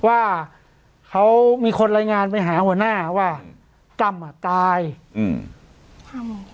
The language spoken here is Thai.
ว่าเขามีคนรายงานไปหาหัวหน้าว่าตั้มอ่ะตายอืมครับ